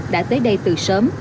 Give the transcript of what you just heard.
đã tới đây từ sớm